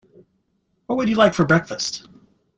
What would you like for breakfast?